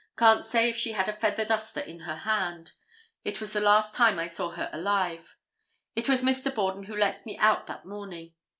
Can't say if she had a feather duster in her hand. It was the last time I saw her alive. It was Mr. Borden who let me out that morning.